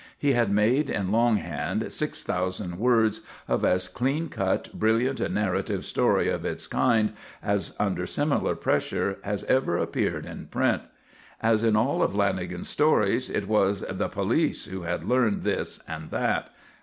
He had made in longhand 6,000 words of as clean cut, brilliant a narrative story of its kind as, under similar pressure, has ever appeared in print. As in all of Lanagan's stories, it was "the police" who had learned this and that.